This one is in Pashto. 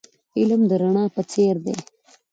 علم د رڼا په څیر دی .